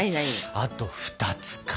あと２つか。